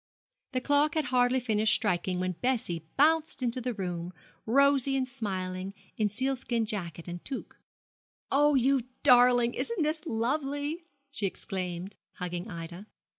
The clock had hardly finished striking when Bessie bounced into the room, rosy and smiling, in sealskin jacket and toque. 'Oh, you darling! isn't this lovely?' she exclaimed, hugging Ida.